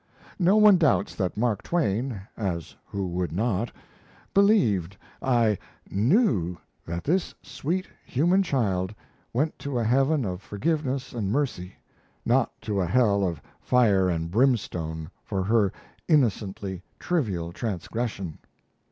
No one doubts that Mark Twain as who would not? believed, aye, knew, that this sweet, human child went to a heaven of forgiveness and mercy, not to a hell of fire and brimstone, for her innocently trivial transgression.